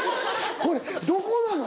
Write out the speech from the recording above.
これどこなの？